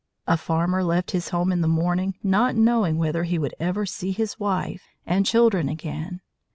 A farmer left his home in the morning not knowing whether he would ever see his wife and children again.